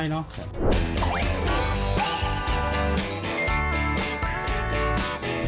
สำหรับการเลี้ยงตัวไหมคุณลุงภูลัทธ์ได้ปลูกต้นหม่อน